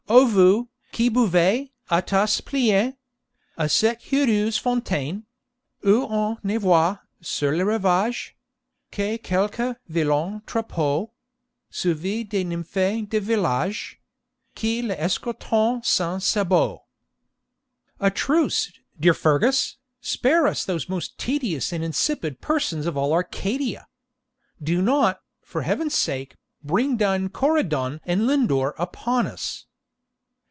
O vous, qui buvez, a tasse pleine, A cette heureuse fontaine, Ou on ne voit, sur le rivage, Que quelques vilains troupeaux, Suivis de nymphes de village, Qui les escortent sans sabots ' 'A truce, dear Fergus! spare us those most tedious and insipid persons of all Arcadia. Do not, for Heaven's sake, bring down Coridon and Lindor upon us.'